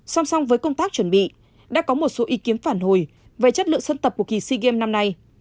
song song với công tác chuẩn bị đã có một số ý kiến phản hồi về chất lượng sân tập của kỳ sea games năm nay